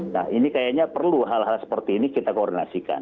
nah ini kayaknya perlu hal hal seperti ini kita koordinasikan